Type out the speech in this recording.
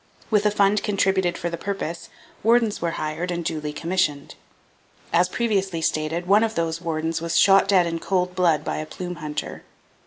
With a fund contributed for the purpose, wardens were hired and duly commissioned. As previously stated, one of those wardens was shot dead in cold blood by a plume hunter.